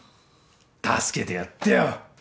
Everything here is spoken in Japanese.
助けてやってよ。